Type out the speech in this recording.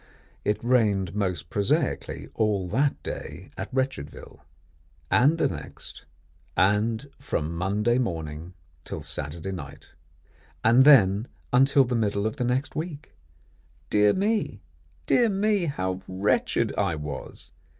It rained most prosaically all that day at Wretchedville, and the next, and from Monday morning till Saturday night, and then until the middle of the next week! Dear me! dear me! how wretched I was!